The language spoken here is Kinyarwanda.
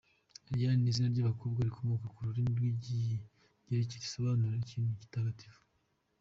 Ariane ni izina ry’abakobwa rikomoka ku rurimi rw’Ikigereki risobanura “Ikintu gitagatifu”.